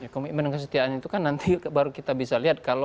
komitmen dan kesetiaan itu kan nanti baru kita bisa lihat